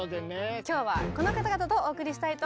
今日はこの方々とお送りしたいと思います。